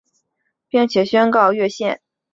并且宣告越线之举皆属无效。